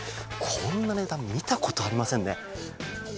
こんな値段見たことありませんね。